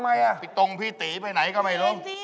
ทำไมล่ะตรงพี่ตีไปไหนก็ไม่รู้